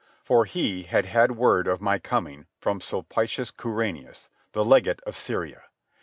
For he had had word of my coming from Sulpicius Quirinius, the legate of Syria.